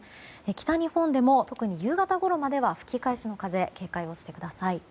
北日本でも特に夕方ごろまでは吹き返しの風に警戒してください。